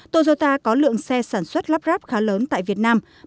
toyota có lượng xe sản xuất lắp ráp khá lớn tại việt nam